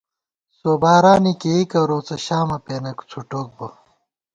سوبارانی کېئیکہ روڅہ شامہ پېنہ څھُٹوک بہ